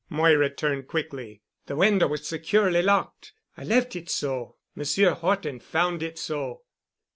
Moira turned quickly. "The window was securely locked. I left it so. Monsieur Horton found it so.